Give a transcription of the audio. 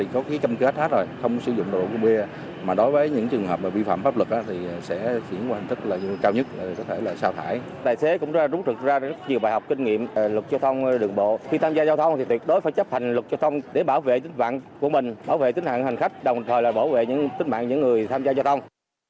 khi tham gia giao thông thì tuyệt đối phải chấp hành luật giao thông để bảo vệ tính mạng của mình bảo vệ tính mạng hành khách đồng thời là bảo vệ tính mạng những người tham gia giao thông